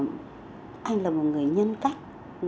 và anh là một người nhân cách